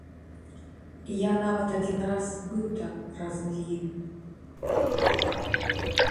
Я нават адзін раз быў там разам з імі.